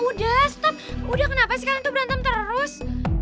udah kenapa sih kalian tuh berantem terus